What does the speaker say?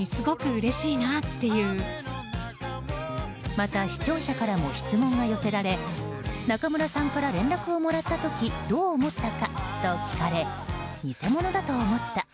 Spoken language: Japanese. また、視聴者からも質問が寄せられ中村さんから連絡をもらった時どう思ったかと聞かれ偽物だと思った。